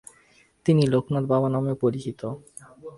তিনি লোকনাথ বাবা নামেও পরিচিত।